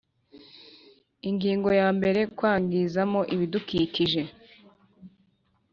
Ingingo ya mbere Kwangizam ibidukikije